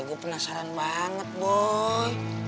gue penasaran banget boy